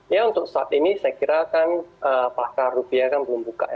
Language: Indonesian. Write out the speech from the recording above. ya untuk saat ini saya kira kan pakar rupiah kan belum buka ya